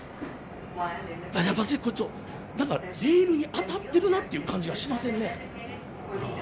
やっぱ何かレールに当たってるなっていう感じがしませんね。